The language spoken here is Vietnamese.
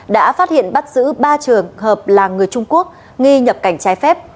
đã phát hiện bắt giữ ba trường hợp là người trung quốc nghi nhập cảnh trái phép